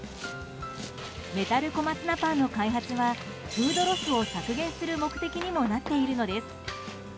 メタル小松菜パンの開発はフードロスを削減する目的にもなっているのです。